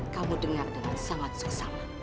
kamu dengar dengan sangat sesama